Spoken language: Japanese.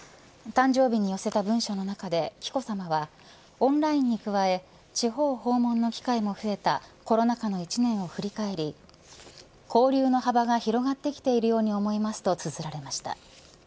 誕生日に寄せた文書の中で紀子さまはオンラインに加え地方訪問の機会も増えたコロナ禍の１年を振り返り交流の幅が広がってきているように思いますとつづられました。